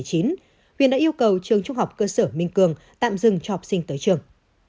huyện đã yêu cầu trường trung học cơ sở minh cường tạm dừng cho học sinh tới trường